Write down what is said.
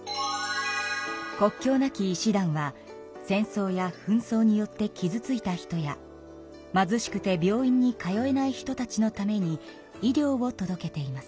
国境なき医師団は戦争やふん争によってきずついた人や貧しくて病院に通えない人たちのために医療を届けています。